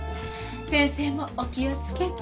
先生もお気を付けて！